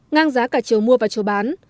ngang giá cả chiều mua và chiều bán